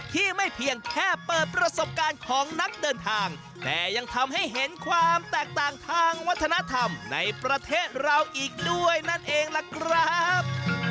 ที่ไม่เพียงแค่เปิดประสบการณ์ของนักเดินทางแต่ยังทำให้เห็นความแตกต่างทางวัฒนธรรมในประเทศเราอีกด้วยนั่นเองล่ะครับ